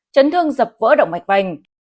chấn thương dập vỡ động mạch phành